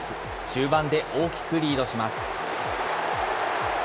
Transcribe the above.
中盤で大きくリードします。